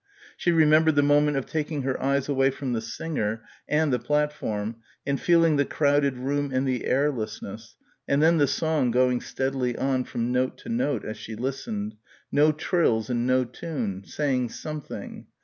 She remembered the moment of taking her eyes away from the singer and the platform, and feeling the crowded room and the airlessness, and then the song going steadily on from note to note as she listened ... no trills and no tune ... saying something.